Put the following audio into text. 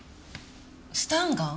スタンガン？